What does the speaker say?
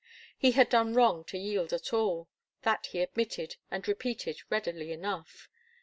He had done wrong to yield at all. That he admitted, and repeated, readily enough.